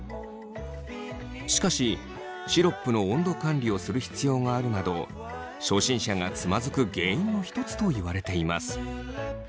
しかしシロップの温度管理をする必要があるなど初心者がつまずく原因の一つといわれています。